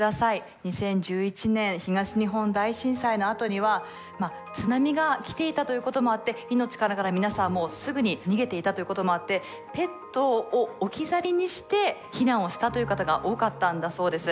２０１１年東日本大震災のあとには津波が来ていたということもあって命からがら皆さんすぐに逃げていたということもあってペットを置き去りにして避難をしたという方が多かったんだそうです。